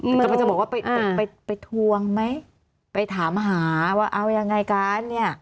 กำลังจะบอกว่าไปไปทวงไหมไปถามหาว่าเอายังไงกันเนี่ย